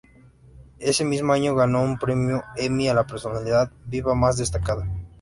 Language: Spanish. Ese mismo año ganó un premio Emmy a la "Personalidad viva más destacada".